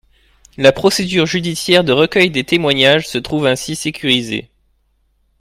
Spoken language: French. La procédure judiciaire de recueil des témoignages se trouve ainsi sécurisée.